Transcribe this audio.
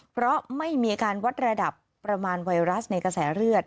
เพราะไม่มีอาการวัดระดับประมาณไวรัสในกระแสเลือด